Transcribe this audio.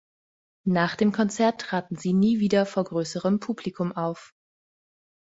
Nach dem Konzert traten sie nie wieder vor größerem Publikum auf.